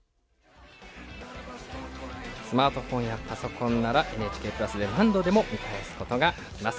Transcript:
スマートフォンやパソコンならＮＨＫプラスで何度でも見返すことができます。